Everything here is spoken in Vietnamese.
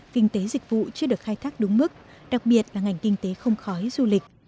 kinh tế dịch vụ chưa được khai thác đúng mức đặc biệt là ngành kinh tế không khói du lịch